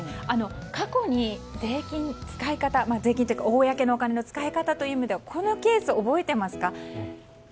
過去に税金の使い方公のお金の使い方という意味ではこのケース、覚えていますか？